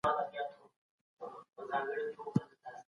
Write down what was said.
خپل ماشومان له بدو ملګرو وساتئ.